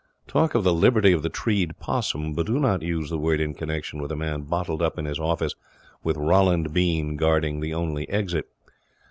Talk of the liberty of the treed possum, but do not use the word in connexion with a man bottled up in an office, with Roland Bean guarding the only exit.